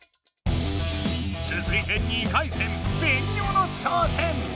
つづいて２回戦ベニオの挑戦！